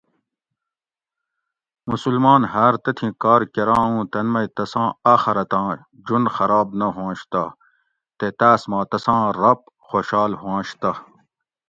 مسلمان ھار تتھین کارکراں اُوں تن مئ تساں آخرتاں جُن خراب نہ ھؤنش تہ تے تاۤس ما تساں رب خوشحال ھواںش تہ